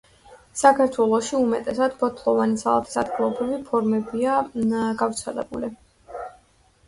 საქართველოში უმეტესად ფოთლოვანი სალათის ადგილობრივი ფორმებია გავრცელებული.